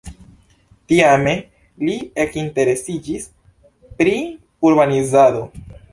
Tiame li ekinteresiĝis pri urbanizado.